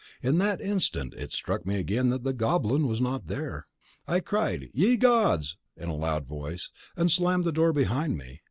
In that instant it struck me again that the Goblin was not there. I cried "Ye Gods!" in a loud voice, and slammed the door behind me.